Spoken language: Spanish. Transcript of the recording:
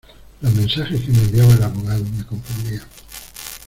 Los mensajes que me enviaba el abogado me confundían.